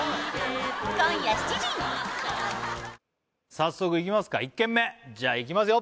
早速いきますか１軒目じゃあいきますよ